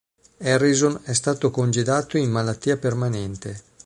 Harrison è stato congedato in malattia permanente.